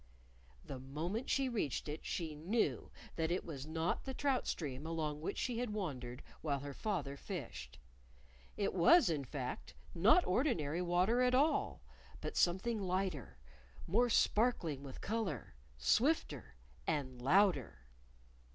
The moment she reached it she knew that it was not the trout stream along which she had wandered while her father fished. It was, in fact, not ordinary water at all, but something lighter, more sparkling with color, swifter, and louder.